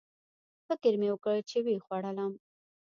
فکر مې وکړ چې ویې خوړلم